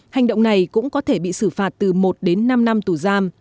hành động này cũng có thể bị xử phạt từ một đến năm năm tù giam